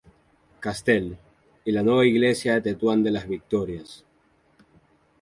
Castell, y la nueva iglesia de Tetuán de las Victorias.